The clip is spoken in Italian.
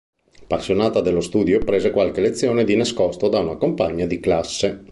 Appassionata dello studio, prese qualche lezione di nascosto da una compagna di classe.